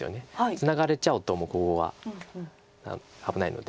ツナがれちゃうともうここが危ないので。